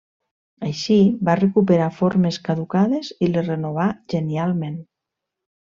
Així, va recuperar formes caducades i les renovà genialment.